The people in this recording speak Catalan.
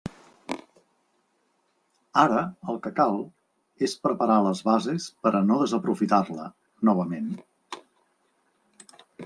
Ara, el que cal, és preparar les bases per a no desaprofitar-la, novament.